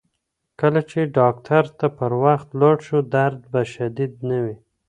کله چې ډاکتر ته پر وخت ولاړ شو، درد به شدید نه شي.